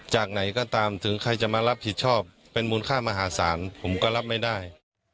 ไหนก็ตามถึงใครจะมารับผิดชอบเป็นมูลค่ามหาศาลผมก็รับไม่ได้